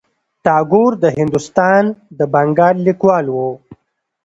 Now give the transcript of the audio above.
ټاګور د هندوستان د بنګال لیکوال و.